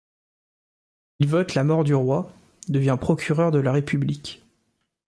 Il vote la mort du Roi, devient procureur de la République.